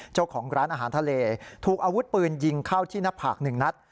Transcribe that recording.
เจ้าของร้านอาหารทะเลถูกอาวุธปืนยิงเข้าที่หน้าผากหนึ่งนัด